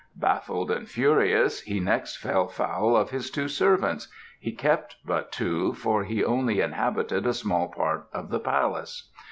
Baffled and furious, he next fell foul of his two servants he kept but two, for he only inhabited a small part of the palace.